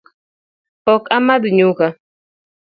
Ok amadh nyuka